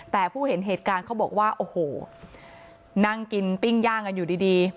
แต่ผู้เห็นเหตุการณ์เขาบอกว่าโอ้โหนั่งกินปิ้งย่างกันอยู่ดีดี